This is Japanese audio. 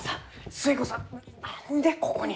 寿恵子さん何でここに？